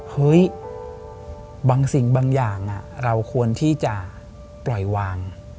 เฮ้ยบางสิ่งบางอย่างเราควรที่จะปล่อยวาง